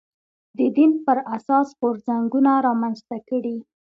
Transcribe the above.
د دین پر اساس غورځنګونه رامنځته کړي